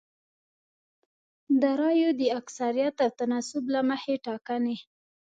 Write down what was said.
د رایو د اکثریت او تناسب له مخې ټاکنې